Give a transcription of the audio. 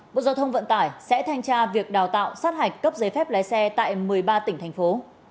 bộ giao thông vận tải sẽ thanh tra việc đào tạo sát hạch cấp giấy phép lái xe tại một mươi ba tỉnh thành phố